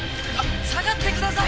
下がってください